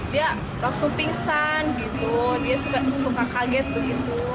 dia langsung pingsan gitu dia suka kaget begitu